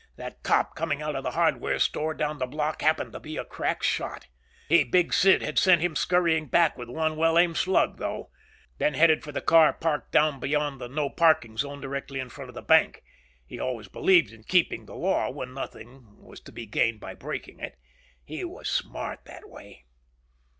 That cop coming out of the hardware store down the block happened to be a crack shot. He, Big Sid, had sent him scurrying back with one well aimed slug though. Then headed for the car parked down beyond the "No Parking" zone directly in front of the bank. He always believed in keeping the law when nothing was to be gained in breaking it. He was smart that way.